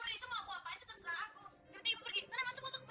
itu mau apa apa itu terserah aku